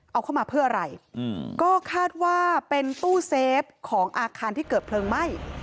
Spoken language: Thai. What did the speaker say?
เอาเข้ามาเพื่ออะไรก็คาดว่าเป็นตู้เซฟของอาคารที่เกิดเพลิงไหม้